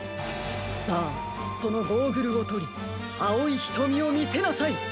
さあそのゴーグルをとりあおいひとみをみせなさい！